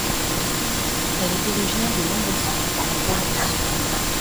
Elle est originaire de Lambesc, en Provence.